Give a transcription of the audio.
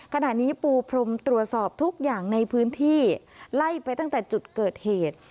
ขณะนี้ปูพรมตรวจสอบทุกอย่างในพื้นที่ไล่ไปตั้งแต่จุดเกิดเหตุ